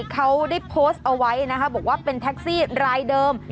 เขาได้โพสต์เอาไว้นะคะบอกว่าเป็นแท็กซี่รายเดิม